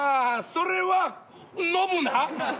それはノブな！